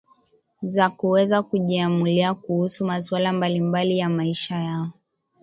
za kuweza kujiamulia kuhusu masuala mbali mbali ya maisha yao